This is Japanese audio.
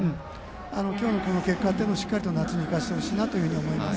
今日の結果というのをしっかりと夏に生かしてほしいなと思います。